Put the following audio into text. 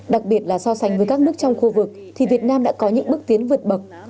đặc biệt là so sánh với các nước trong khu vực thì việt nam đã có những bước tiến vượt bậc